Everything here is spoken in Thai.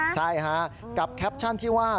ใช่ฮะกับแคปชั่นที่ว่า